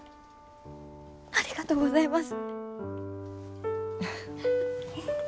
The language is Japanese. ありがとうございます。